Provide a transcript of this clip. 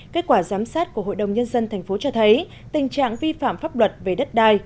kết quả giám sát của hội đồng nhân dân tp cho thấy tình trạng vi phạm pháp luật về đất đai